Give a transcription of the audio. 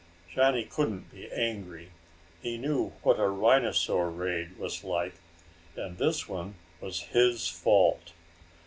Johnny couldn't be angry. He knew what a rhinosaur raid was like, and this one was his fault.